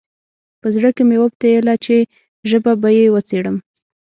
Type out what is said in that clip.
په زړه کې مې وپتېیله چې ژبه به یې وڅېړم.